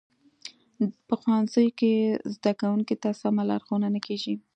په ښوونځیو کې زده کوونکو ته سمه لارښوونه نه کیږي